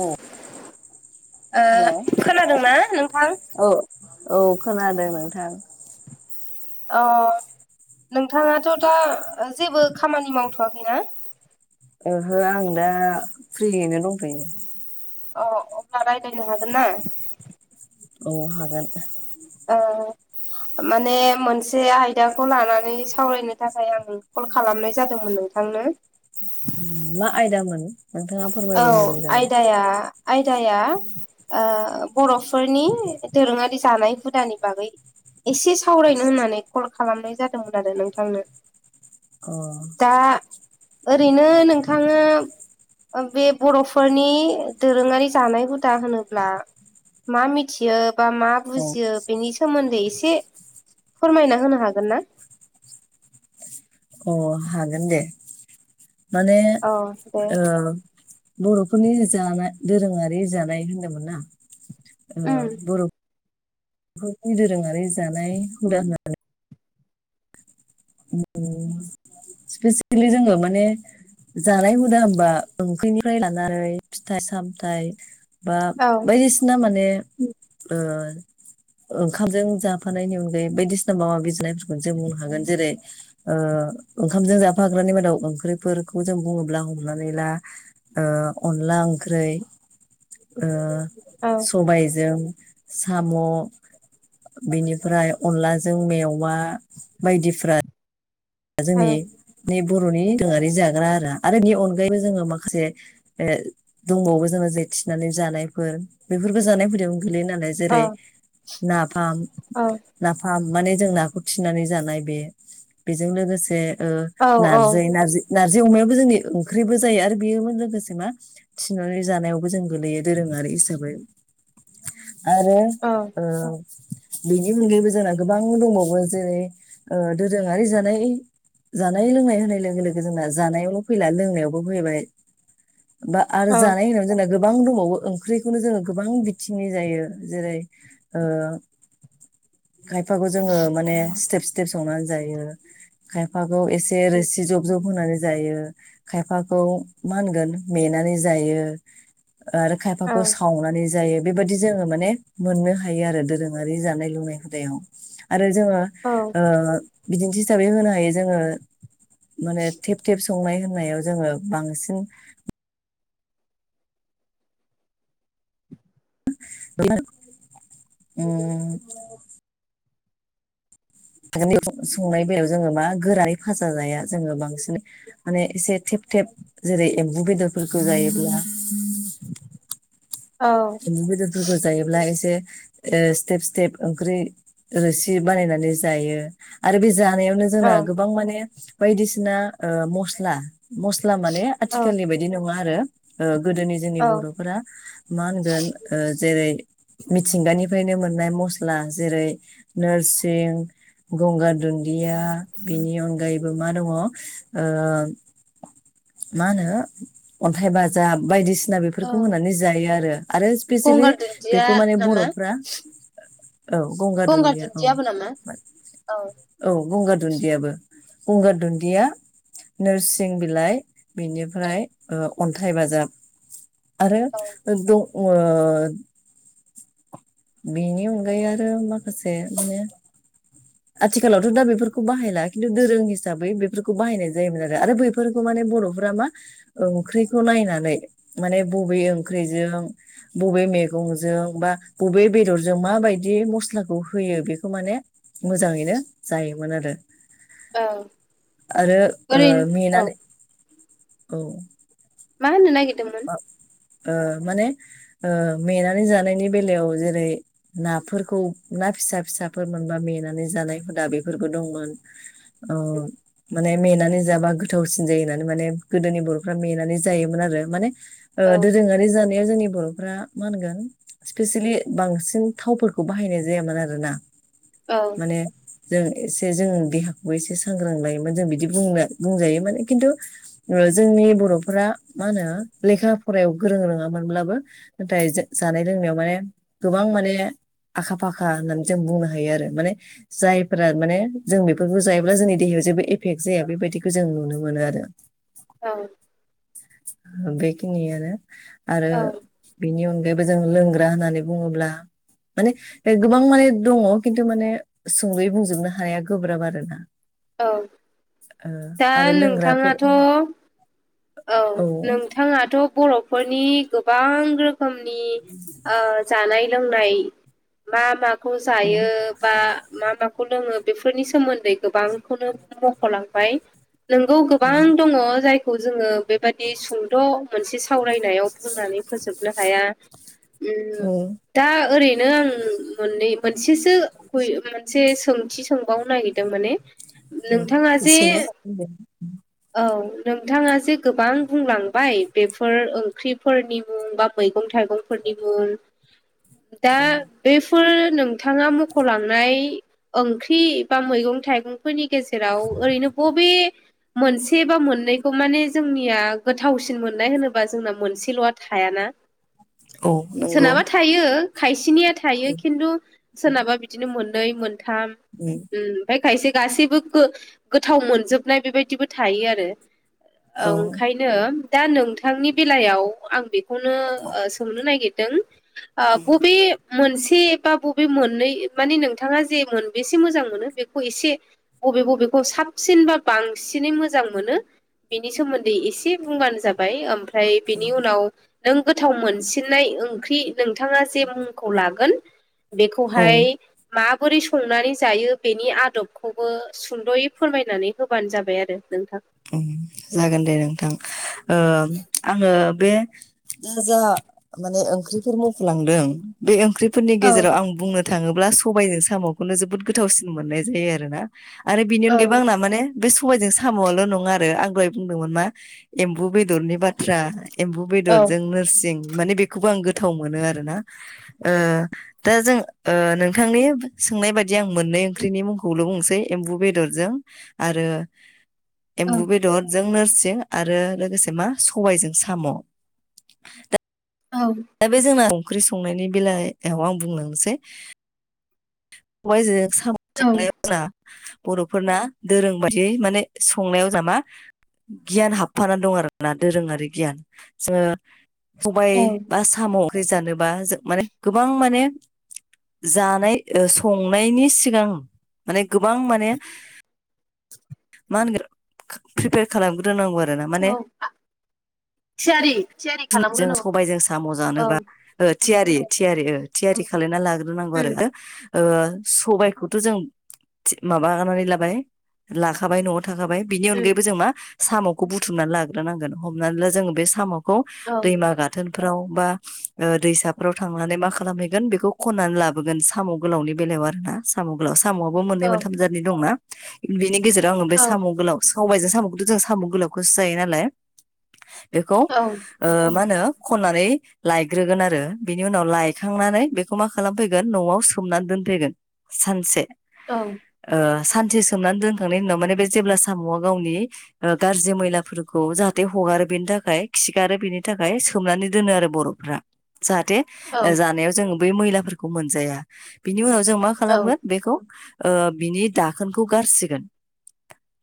औ ओ हेल' खोनादोंना नोंथां औ औ खोनादों नोंथां अ नोंथाङाथ' दा जेबो खामानि मावथ'वाखैना ओहो आं दा फ्रियैनो दंथयो अ अब्ला रायज्लायनो हागोन ना अ हागोन ओ माने मोनसे आयदाखौ लानानै सावरायनो थाखाय आं कल खालामनाय जादोंमोन नोंथां थांनो मा आयदा मोनो औ आयदाया आयदाया ओ बर'फोरनि दोरोङारि जानाय हुदानि बागै एसे सावरायनो होननानै कल खालामनाय जादोंमोन आरो नोंथांनो अ दा ओरैनो नोंथाङा बे बर'फोरनि दोरोङारि जानाय हुदा होनोब्ला मा मिथियो बा मा औ बुजियो बेनि सोमोन्दै एसे फोरमायना होनो हागोन ना अ हागोन दे माने औ दे बर'फोरनि जानाय दोरोङारि जानाय होनदोंमोन ना उम बर' बेफोरनि दोरोङारि जानाय हुदा होननानै सिपेसियेलि जोङो माने जानाय हुदा हबा ओंख्रिनिफ्राय लानानै फिथाइ सामथाय बा औ बायदिसिना माने ओंखामजों जाफानायनि अनगायै बायदिसिना माबा बिजिरनायफोरखौनो जों बुंनो हागोन जेरै ओंखामजों जाफाग्रानि मादाव ओंख्रिफोरखौ जों बुङोब्ला हमनानै ला अनला ओंख्रि औ सबायजों साम' बेनिफ्राय अनलाजों मेवा बायदिफ्रा औ जोंनि बर'नि दोरोङारि जाग्रा आरो आरो बेनि अनगायैबो जोङो माखासे दंबावो जोङो जेथिनानै जानायफोर बेफोरखौ जानायफोरदयावनो गोलैयो नालाय औ जेरै नाफाम औ नाफाम माने जों नाखौ खिनानै जानाय बे बेजों लोगोसे औ नारजि नारजि नारजि अमायाबो जोंनि ओंख्रिबो जायो आरो बेजों लोगोसे मा थिननानै जानायावबो जों गोलैयो दोरोङारि हिसाबै आरो औ बेनि अनगायैबो जोंना गोबां दंबावो जेरै दोरोङारि जानाय जानाय लोंनाय होनाय लोगो लोगो जोंना जानायावल' फैला लोंनायावबो फैबाय बा आरो औ जानाय होन जेन गोबां दंबावो ओंख्रिखौनो जोङो गोबां बिथिंनि जायो जेरै [inaudible] खायफाखौ जोङो माने स्टेप स्टेप संनानै जायो खायफाखौ एसे रोसि जब जब होनानै जायो खायफाखौ मा होनगोन मेनानै जायो आरो खायफाखौ सावनानै जायो बेबायदि जोङो माने मोननो हायो आरो दोरोङारि जानाय लोंनाय हुदायाव आरो जोङो बिदिन्थि हिसाबै होनो हायो जोङो माने थेब थेब संनाय होननायाव जोङो बांसिन म उ [inaudible] संनाय बेलायाव जोंङो मा गोरानै फाजा जाया जोंङो बांसिन [unintelligible] माने एसे थेब थेब जेरै एम्बु बेदरफोरखौ जायोब्ला [unintelligible] म बेदफोरखौ जायोब्ला एसे [unintelligible] स्टेप स्टेप ओंख्रि रोसि बानायनानै जायो आरो बे जानायावनो [unintelligible] जोंना औ गोबां माने बायदिसिना मस मस्ला माने औ आथिखालनि बाय [unintelligible] बिदि नंङा आरो गोदोनि जोंनि बर'फोरा मा होनोन जेरै [unintelligible] मिथिंगानिफ्रायनो मोननाय मस्ला जेरै नोरसिं गंगार [unintelligible] दुन्दिया बिनि अनगायैबो मा दंङ मा होनो अन्थाइ बाजाब बायदिसिना बिसिना औ बेफोरखौ होनानै जायो आरो आरो स्पेसेलि गंगारा बेखौ माने नामा बर'फ्रा [unintelligible] औ गंगार गंगामा दुन्दिया औाल औ [unintelligible] औ गंगार दुन्दियाबो गंगार दुन्दिया नोरसिं बिलाइ बेनिफ्राय अन्थाइ बाजाब आरो औ अ [inaudible] बेनि अनगायै आरो माखासे मे आथिखालावथ' दा बेफोरखौ बाहायला खिन्थु दोरों हिसाबै बेफोरखौ बाहायनाय जायोमोन आरो बे फोरफोरखौ माने बर'फोरा मा ओंख्रिखौ नायनानै माने बबे ओंख्रिजों बबे मैगंजों बा बबे बेदरजों माबायदि मस्लाखौ होयो बेखौ माने [unintelligible] मोजांङैनो जायोमोन आरो औ [unintelligible] आरो ओरैनो औ मेंनानै औ [unintelligible] मा न [inaudible] माने नेेनानै जानायनि बेलायाव जेरै [unintelligible] नाफोरखौ ना फिसा फिसाफोर मोनबा ननानै जानाय हुदा बेफोरखौ दंमोन। औ माने मेनानै जाबा गोथावसिन जायो होननानै माने गोदोनि बर'फ्रा मेनानै जायोमोन आरो माने औ [unintelligible] दोरोंङारि जानायाव जोंनि बर'फ्रा मा होनगोन [unintelligible] स्पेसेलि बांसिन थावफोरखौ बाहायनाय जायामोन आरो ना [unintelligible] औव माने जों एसे जों देहाखौबो एसे सांग्रां लायोमोन जों बिदि बुं बुंजायो माने खिन्थु [unintelligible] जोंनि बर'फोरा मा होनो लेखा फरायायाव गोरों रोंङामोनब्लाबो [unintelligible] नाथाय जानाय लोंनायाव माने गोबां माने [unintelligible] आखा फाखा होननानै जों बुंनो हायो आरो माने जायफ्रा माने जों बेफोरखौ जायोब्ला जोंनि देहायाव जेबो एफेक्ट जाया बेबायदिखौ जों नुनो मोनो आरो। औव बेखिनियानो आरो। औ बेनि अनगायैबो जों लोंग्रा होननानै बुंङोब्ला। माने गोबां माने दंङ खिन्थु माने सुंद बुंजोबनो हानाया गोब्राब आरो ना। औ दा आरो लोंग्राफोर नोंथाङाथ' औ नोंथांङाथ' बर'फोरनि गोबां रोखोमनि जानाय लोंनाय मा माखौ औ जायो बा मा माखौ लोंङो बेफोरनि सोमोन्दै गोबांखौनो मख'लांबाय? नंगौ औ गोबां दंङ जायखौ जोंङो बेबादि सुंद' मोनसे सावरायनायाव बुंनानै फोजोबनो हाया। औ दा ओरैनो आं मोननै मोनसेसो मोनसे सोंथि सोंबावनो नागिरदों माने? नोंथाङा जे ओ [unintelligible] औ नोंथांङा जे गोबां बुंलांबाय बेफोर ओंख्रिफोरनि मुं बा मैगं थाइगंफोरनि मुं दा औ बेफोर नोंथाङा मख'लांनाय ओंख्रि बा मैगं-थाइगं फोरनि गेजेराव ओरैनो बबे मोनसे बा मोननै खौ माने जोंनिया गोथावसिन मोननाय होनोबा जोंना मोनसेल'आ थायाना‌। औ नंगौ सोरनाबा थायो खायसेनिया थायो खिन्थु सोरनाबा बिदिनो मोननै मोनथाम उम उम ओमफ्राय खायसे गासैबो गो-गोथाव मोनजोबनाय बेबायदिबो थायो आरो औ ओंखायनो दा नोंथांनि बेलायाव आं बे खौनो सोंनो नागिरदों ओ बबे मोनसे बा बबे मोननै माने नोंथाङा जे मोनबेसे मोजां मोनो बेखौ एसे बबे बबेखौ साबसिनबा बांसिनै मोजां मोनो बेनि सोमोन्दै एसे बुंब्लानो जाबाय ओमफ्राय बेनि उनाव नों गोथाव मोनसिननाय ओंख्रि नोंथाङा जे मुंखौ लागोन औ बेखौहाय माबोरै संनानै जायो बेनि आदबखौबो सुंद'यै फोरमायनानै होबानो जाबाय आरो नोंथां। जागोन दे नोंथां ओ आङो बे नोंथाङा जा माने ओंख्रिफोर मख'लांदों बे ओंख्रिफोरनि औ गेजेराव आं बुंनो थाङोब्ला सबायजों साम'खौनो जोबोद गोथावसिन मोननाय जायो आरो ना आरो बेनि औ अनगायैबो आंना माने बे सबायजों साम'आल' नङा आरो आं दहाय बुंदोंमोन मा एम्बु बेदरनि बाथ्रा एम्बु औ बेदरजों नोरसिं माने बेखौबो आं गोथाव मोनो आरो ना ओ दा जों ओ नोंथांनि सोंनाय बायदि आं मोननै ओंख्रिनि मुंखौल' बुंनोसै एम्बु बेदरजों आरो एम्बु बेदरजों नोरसिं आरो लोगोसे मा सबायजों साम' दा औ दा बे जोंना ओंख्रि संनायनि बेलायाव आं बुंलांसै सबायजों साम' औ संनायाव जोंना बर'फोरना दोरों बायदियै माने संनायाव जाहा मा गियान हाबफानानै दं आरोना दोरोङारि गियान जोङो सबाय औ बा साम' ओंख्रि जानोबा जों माने गोबां माने जानाय संनायनि सिगां माने गोबां माने मा होनगोन प्रिपेयार खालामग्रोनांगौ आरो ना औ माने आ- थियारि थियारि जों खालामग्रोनांगौ सबायजों साम' औ जानोबा ओ थियारि थियारि थियारि खालामना लाग्रोनांगौ उम आरो सबायखौथ' जों माबानानै लाबाय लाखाबाय न'आव थाखाबाय बेनि उम अनगायैबो जों मा साम'खौ बुथुमनानै लाग्रोनांगोन हमनानै ला जोङो बे साम' खौ औ दैमा गा थोनफ्राव बा दैसाफ्राव थांनानै मा खालामहैगोन बेखौ खननानै लाबोगोन जों। साम' गोलावनि बेलायाव आर ना साम' गोलाव साम'आबो मोननै औ मोनथाम जारनि दंना। बिनि गेजेराव आङो बे औ साम' गोलाव साबायजों साम'खौथ' जों साम' गोलावखौसो जायो नालाय। बेखौ औ ओ मा होनो खननानै लायग्रोगोन आरो बिनि उनाव लायखांनानै बेखौ मा खालामफैगोन न'आव सोमनानै दोनफैगोन सानसे। औ ओ सान्थि सोमनानै दोनखांनायनि उनाव माने बे जेब्ला साम'आ गावनि ओ गाज्रि मैलाफोरखौ जाहाथे हगारो बेनि थाखाय खिगारो बेनि थाखाय सो सोमनानै दोनो आरो बर'फ्रा जाहाथे औ ओ जानायाव जोङो बे मैलाफोरखौ मोनजाया बिनि उनाव जों मा औ खालामगोन बेखौ ओ बिनि दाखोनखौ गारसिगोन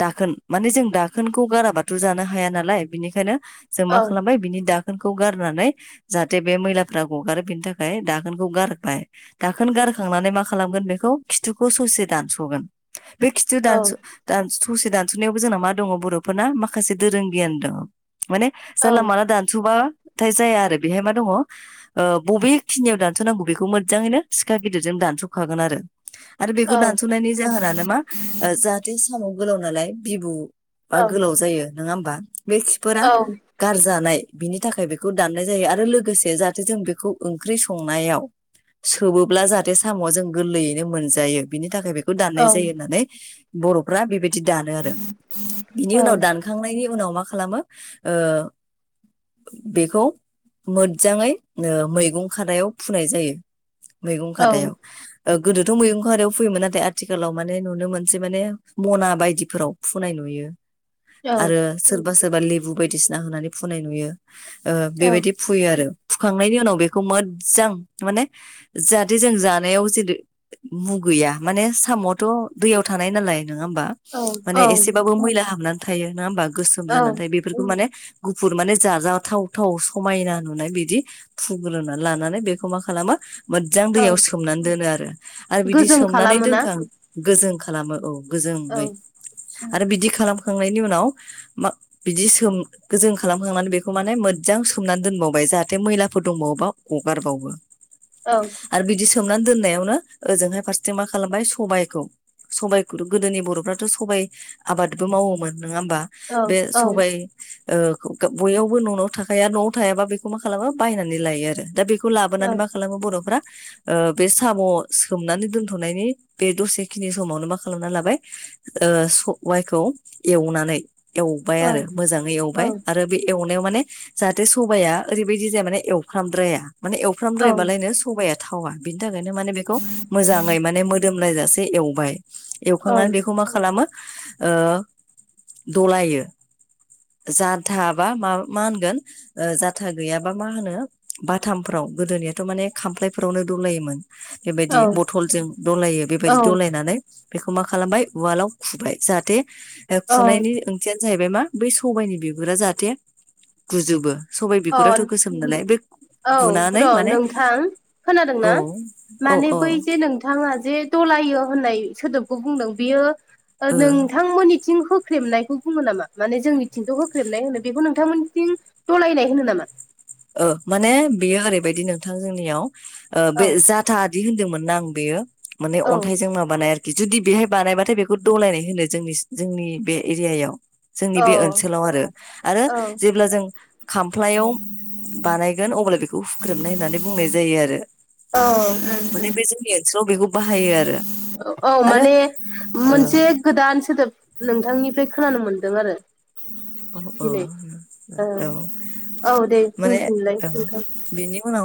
दाखोन माने जों दाखोनखौ गाराबाथ' जानो हाया नालाय बिनिखायनो जों मा औ खालामबाय बिनि दाखोन दाखोनखौ गारनानै जाहाथे बे मैलाफ्रा गगारो बेनि थाखाय दाखोनखौ गारबाय दाखोन गारखांनानै मा खालामगोन बेखौ खिथुखौ ससे दानस'गोन बे खिथु दानस' दानस ससेदानस'नायावबो जोंना मा दङ बर'फोरना माखासे दोरों गियान दङ। माने औ जानला मानला दानसबा थाय जाया आरो बेहाय मा दङ ओ बबेखिनियाव दानस'नांगौ बेखौ मोजाङै सिखा गिदिरजों दानस'खागोन आरो आरो औ औ बेखौ दानस'नायनि जाहोनानो मा ओ जाहाथे साम' गोलाव नालाय बिबु बा गोलाव जायो नङा होमबा बे फोरा गारजानाय बिनि थाखाय बेखौ दाननाय जायो आरो लोगोसे जाहाथे जों बेखौ ओंख्रि संनायाव सोबोब्ला जाहाथे साम'आ जों गोरलैयैनो मोनजायो बिनि थाखाय बेखौ दाननाय जायो होननानै बर'फ्रा बेबायदि दानो आरो बिनि उनाव दान खांनायनि उनाव मा खालामो ओ बेखौ मोजाङैनो मैगं खानायाव फुनाय जायो। मैगं खादायाव। ओ गोदोथ' मैगं खदायाव फैयोमोन नाथाय आथिखालाव माने नुनो मोनसे माने मना बायदिफोराव फुनाय नुयो। आरो सोरबा सोरबा लेबु बायदिसिना होनानै फुनाय नुयो ओ बेबायदि फुयो आरो फुखांनायनि उनाव बेखौ मोजां माने जाहाथे जों जानायाव जेदो मुगैया माने सामावथ' दैयाव थानाय नालाय नङा होमबा। माने एसेबाबो मैला हाबनानै थायो नाङा होमबा गोसोम औ जानानै थायो बे फोरखौ माने गुफुर माने जाजाथाव थाव समायना नुनाय बिदि फुग्रोना लानानै बेखौ मा खालामो मोजां औ दैयाव सोमनानै दोनो आरो आरो बिदि गोजों सोमनानै खालामोना दोनखां गोजों खालामो औ औ गोजोंयै उम, आरो बिदि खालामखांनायनि उनाव मा बिदि सोम गोजों खालामखांनानै बेखौ माने मोजां सोमनानै दोनबावबाय जाहाथे मैलाफोर दंबावोबा हगारबावो औ आरो बिदि सोमनानै दोननायावनो ओजोंहाय फारसेथिं मा खालामबाय सबायखौ सबाइखौ' गोदोनि बर'फ्राथ' सबाइ आबादबो मावोमोन नङा होमबा औ बे औ सबाया ओ बययावबो न'आव थाखाया न'आव थायाबा बेखौ मा खालामा बायनानै लायो आरो दा बेखौ खौ औ लाबोनानै मा खालामो बर'फ्रा ओ बे साम' सोमनानै दोनथ'नायनि बे दसे खिनि समावनो मा खालामना लाबाय ओ सबाइखौ एवनानै एवबाय औ आरो मोजाङै औ एवबाय आरो बे एवनायाव माने जाहाथे सबाया ओरैबायदि जाया माने एवफ्रामद्राया माने औ बालायनो सबाया थावा बिनि थाखायनो मोजाङै माने नायजासे एवबाय एवखांनानै खौ मा खालामो ओ दलायो जानो थाबा मा मा होनगोन ओ जाथा गैयाबा मा होनो बाथामफ्राव गोदोनि थ' माने खामफ्लायफोरावनो दलायोमोन बेबायदि बथलजों दलायो औ बेबायदि दलायनानै बेखौ मा खालामबाय उवालाव खुबाय जाहाथे ओ अ खुनायनि ओंथियानो जाहैबाय मा बै सबायाइनि बिगुरा जाहाथे गुजुबो सबायाइ बिगुराथ' गोसोम नालाय बे औ र' गुनानै माने नोंथां औ खोनादोंना औ माने औ बै जे नों नोंथाङा जे दलायो होननाय सोदोबखौ बुंदों बियो ओ नोंथांमोननिथिं होख्रेबनायखौ बुङो नामा माने जोंनिथिंथ' होख्रेबनाय होनो बेखौ नोंथांमोननिथिं दलायनाय होनो नामा। ओ माने बेयो ओरैबायदि नोंथां जोंनियाव ओ औ बे जा थादि होनदोंमोन ना आं बेयो माने औ अन्थाइजों माबानाय जुदि बेहाय बानायबाथाय बेखौ दलायनाय होनो जोंनि जोंनि बे एरियायाव। जोंनि औ बे ओनसोलाव आरो आरो जेब्ला जों खामफ्लायाव। बानायगोन अब्ला बेखौ। बेखौ हुख्रेमनाय होननानै बुंनाय जायो आरो औ उम माने बे जोंनि ओनसोलाव बेखौ। बाहायो आरो औ आरो माने मोनसे। गोदान सोदोब नोंथांनिफ्राय खोनानो मोनदों आरो। औ दिनै ओ औ दे माने बुंफिनलाय औ नोंथां बेनि उनाव।